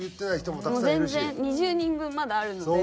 もう全然２０人分まだあるので。